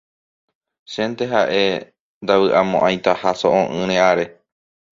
Chénte ha'e ndavy'amo'ãitaha so'o'ỹre are.